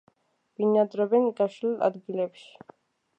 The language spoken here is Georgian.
ბინადრობენ გაშლილ ადგილებში.